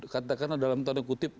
katakanlah dalam tanda kutip